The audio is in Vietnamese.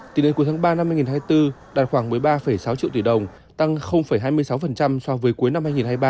tính đến cuối tháng ba năm hai nghìn hai mươi bốn đạt khoảng một mươi ba sáu triệu tỷ đồng tăng hai mươi sáu so với cuối năm hai nghìn hai mươi ba